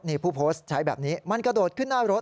นี่ผู้โพสต์ใช้แบบนี้มันกระโดดขึ้นหน้ารถ